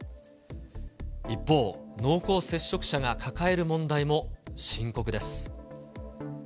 一方、濃厚接触者が抱える問題も深刻です。